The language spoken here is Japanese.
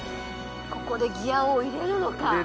ここでギアを入れるのか？